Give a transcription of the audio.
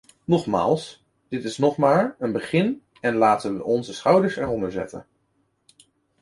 Nogmaals, dit is nog maar een begin en laten we onze schouders eronder zetten.